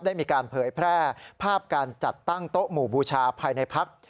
ได้มีการเผยแพร่ภาพการจัดตั้งโต๊ะหมู่บูชาภายในพัก